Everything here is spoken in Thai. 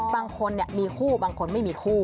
บางคนมีคู่บางคนไม่มีคู่